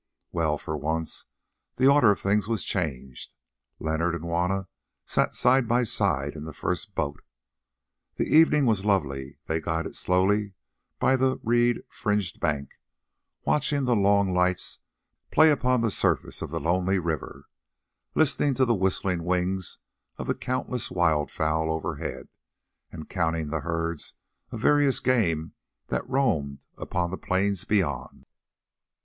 Well, for once the order of things was changed; Leonard and Juanna sat side by side in the first boat. The evening was lovely, they glided slowly by the reed fringed bank, watching the long lights play upon the surface of the lonely river, listening to the whistling wings of the countless wildfowl overhead, and counting the herds of various game that roamed upon the plains beyond.